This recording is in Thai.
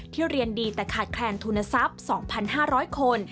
เรียนดีแต่ขาดแคลนทุนทรัพย์๒๕๐๐คน